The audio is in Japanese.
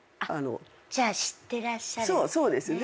じゃあ知ってらっしゃるんですね